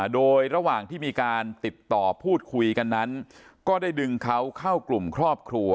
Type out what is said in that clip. โดยระหว่างที่มีการติดต่อพูดคุยกันนั้นก็ได้ดึงเขาเข้ากลุ่มครอบครัว